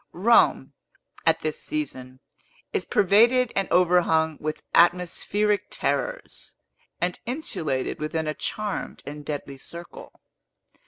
Rome, at this season, is pervaded and overhung with atmospheric terrors, and insulated within a charmed and deadly circle.